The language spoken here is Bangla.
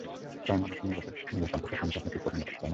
তাই, মনে হচ্ছে নিজের কণ্ঠস্বর শুনতে আপনি খুব পছন্দ করেন, তাই না?